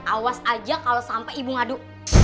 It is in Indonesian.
awas aja kalo sampe ibu ngadu